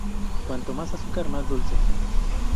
Cuanto más azúcar, más dulce